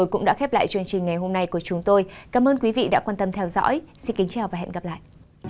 cảm ơn các bạn đã theo dõi và hẹn gặp lại